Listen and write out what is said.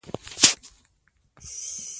هغه وویل چې اضطراب په ټولنه اغېز کوي.